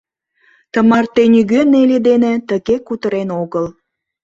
Тымарте нигӧ Нелли дене тыге кутырен огыл.